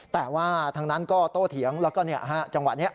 แต่ว่าทางนั้นก็โตเถียงแล้วก็จังหวะนี้